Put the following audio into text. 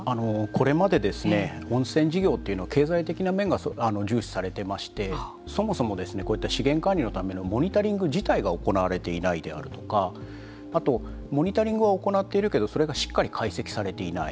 これまでですね温泉事業というのは経済的な面が重視されていましてそもそもこういった資源管理のためのモニタリング自体が行われていないであるとかあとモニタリングは行っているけどそれがしっかり解析されていない。